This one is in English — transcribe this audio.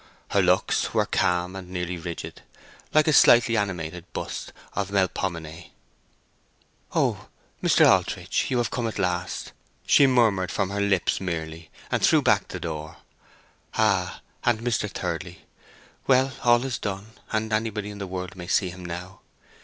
Her looks were calm and nearly rigid, like a slightly animated bust of Melpomene. "Oh, Mr. Aldritch, you have come at last," she murmured from her lips merely, and threw back the door. "Ah, and Mr. Thirdly. Well, all is done, and anybody in the world may see him now."